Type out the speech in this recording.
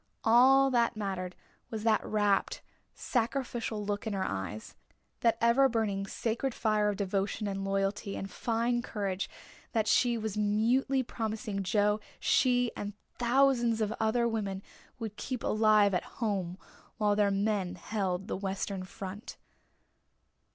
All that mattered was that rapt, sacrificial look in her eyes that ever burning, sacred fire of devotion and loyalty and fine courage that she was mutely promising Joe she and thousands of other women would keep alive at home while their men held the Western front.